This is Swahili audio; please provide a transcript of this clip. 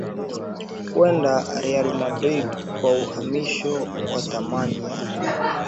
Kwenda Real Madrid kwa uhamisho wa thamani ya